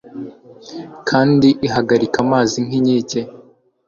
kandi ihagarika amazi nk'inkike